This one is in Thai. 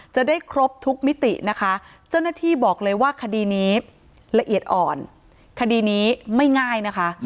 จะได้ครบทุกมิตินะคะเจ้าหน้าที่บอกเลยว่าคดีนี้ละเอียดอ่อนคดีนี้ไม่ง่ายนะคะ